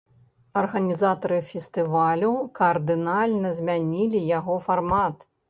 Арганізатары фестывалю кардынальна змянілі яго фармат.